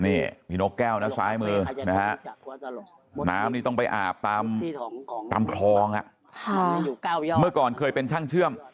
นี่มีนกแก้วนะซ้ายมือนะฮะน้ำนี่ต้องไปอาบตามคลองเมื่อก่อนเคยเป็นช่างเชื่อม